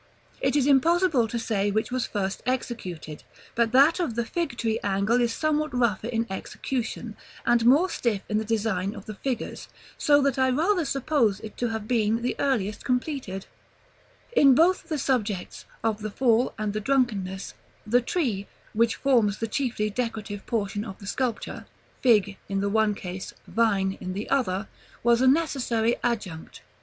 It is impossible to say which was first executed, but that of the Fig tree angle is somewhat rougher in execution, and more stiff in the design of the figures, so that I rather suppose it to have been the earliest completed. [Illustration: Plate XIX. LEAFAGE OF THE VINE ANGLE.] § XXXVII. In both the subjects, of the Fall and the Drunkenness, the tree, which forms the chiefly decorative portion of the sculpture, fig in the one case, vine in the other, was a necessary adjunct.